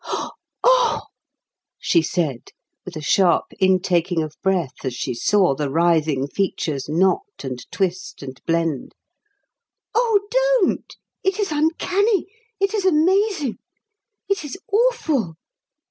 "Oh!" she said, with a sharp intaking of the breath as she saw the writhing features knot and twist and blend. "Oh, don't! It is uncanny! It is amazing. It is awful!"